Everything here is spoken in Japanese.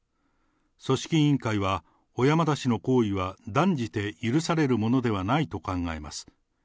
組織委員会は小山田氏の行為は断じて許されるものではないと考えます。